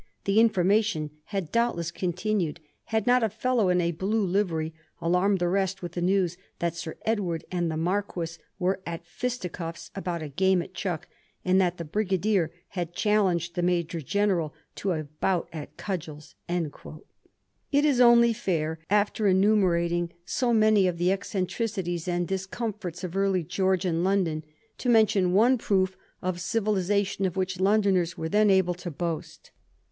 ' The in formation had doubtless continued had not a fellow in a blue livery alarmed the rest with the news that Sir Edward and the marquis were at fisticuiflfe about a game at chuck, and that the brigadier had challenged the major general to a bout at cudgels.' It is only fidr, after enumerating so many of Digiti zed by Google 1714 THE PENNY POST. 103 the eccentricities and discomforts of early Greorgian London, to mention one proof of civilisation of which Londoners were then able to boast.